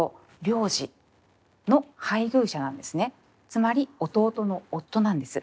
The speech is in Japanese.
つまり弟の夫なんです。